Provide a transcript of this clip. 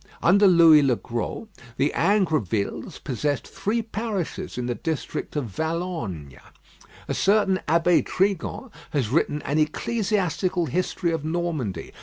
Under Lewis le Gros the Ingrovilles possessed three parishes in the district of Valognes. A certain Abbé Trigan has written an Ecclesiastical History of Normandy.